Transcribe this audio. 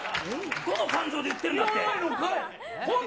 どの感情で言ってるんだ！